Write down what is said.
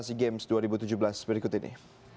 sea games dua ribu tujuh belas berikut ini